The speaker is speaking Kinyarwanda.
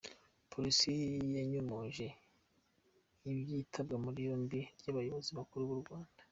Polisi yanyomoje iby’itabwa muri yombi ry’abayobozi bakuru b’u Rwanda